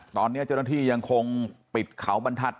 ตอนนี้เจ้าหน้าที่ยังคงปิดเขาบรรทัศน